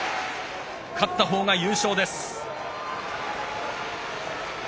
勝ったほうが優勝です。